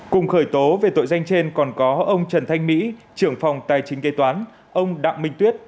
cùng khởi tố về tội danh trên còn có ông trần thanh mỹ trưởng phòng tài chính kế toán ông đặng minh tuyết